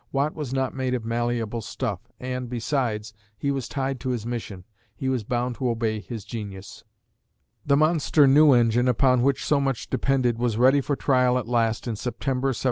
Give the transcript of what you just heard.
Watt was not made of malleable stuff, and, besides, he was tied to his mission. He was bound to obey his genius. The monster new engine, upon which so much depended, was ready for trial at last in September, 1769.